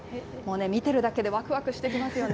見てるだけで、わくわくしてきますよね。